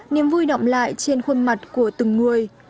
năm vui đọng lại trên khuôn mặt của từng người